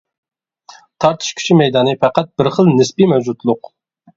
تارتىش كۈچى مەيدانى پەقەت بىر خىل نىسپىي مەۋجۇتلۇق.